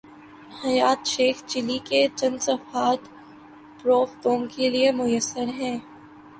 حیات شیخ چلی کے چند صفحات پروف دوم کے لیے میسر ہیں۔